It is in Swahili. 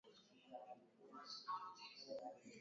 Huku ng'o na kule ng'o.